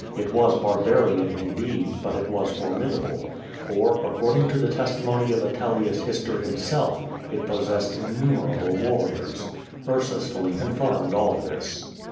It was barbarian, indeed, but it was formidable, for, according to the testimon}' of Atelius Hister himself, it possessed in numerable warriors. Ursus fully confirmed all this.